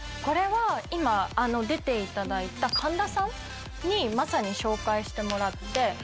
これは今出て頂いた神田さんにまさに紹介してもらって。